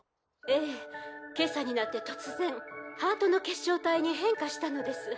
「ええ今朝になって突然ハートの結晶体に変化したのです」